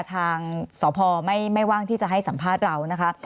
ทางสพพยุหาคีรีไม่ว่างที่จะให้สัมภาษณ์เรานะคะ